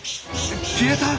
消えた？